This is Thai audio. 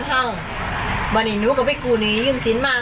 อ๋อเจ้าสีสุข่าวของสิ้นพอได้ด้วย